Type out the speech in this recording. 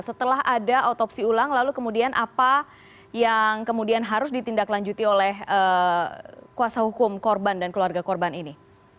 setelah ada otopsi ulang lalu kemudian apa yang kemudian harus ditindaklanjuti oleh kuasa hukum korban dan keluarga korban ini